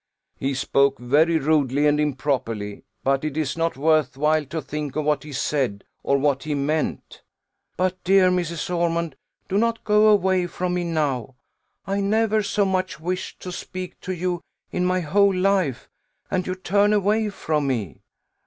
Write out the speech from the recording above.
"He spoke very rudely and improperly; but it is not worth while to think of what he said, or what he meant." "But, dear Mrs. Ormond, do not go away from me now: I never so much wished to speak to you in my whole life, and you turn away from me."